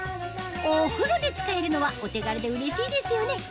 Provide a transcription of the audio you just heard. お風呂で使えるのはお手軽でうれしいですよね